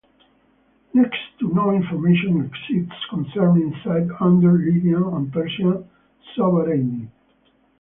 Next to no information exists concerning Side under Lydian and Persian sovereignty.